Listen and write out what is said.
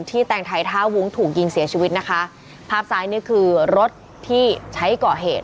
แตงไทยท่าวุ้งถูกยิงเสียชีวิตนะคะภาพซ้ายนี่คือรถที่ใช้ก่อเหตุ